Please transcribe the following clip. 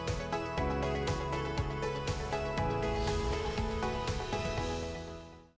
kita harus memiliki kekuatan